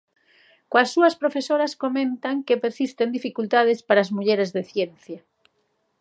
Coas súas profesoras comentan que persisten dificultades para as mulleres de ciencia.